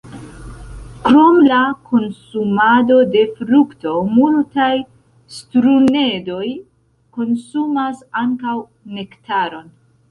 Krom la konsumado de frukto, multaj sturnedoj konsumas ankaŭ nektaron.